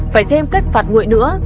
phải thêm cách phạt nguội nữa